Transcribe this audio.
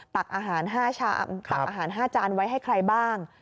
ปักอาหารห้าจานไว้ให้ใครบ้าง